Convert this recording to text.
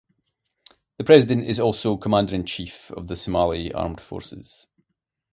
The President is also commander-in-chief of the Somali Armed Forces.